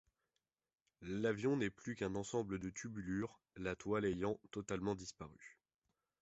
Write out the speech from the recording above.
L'avion n'est plus qu'un ensemble de tubulures, la toile ayant totalement disparu.